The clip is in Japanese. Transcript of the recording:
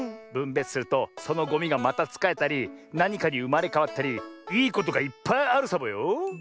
ぶんべつするとそのゴミがまたつかえたりなにかにうまれかわったりいいことがいっぱいあるサボよ。